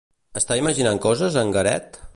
Està imaginant coses, en Garet?